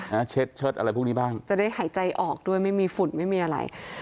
เช็ดเชิดอะไรพวกนี้บ้างจะได้หายใจออกด้วยไม่มีฝุ่นไม่มีอะไร